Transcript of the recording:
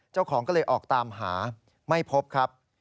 เจ้าของก็เลยออกตามหาไม่พบครับ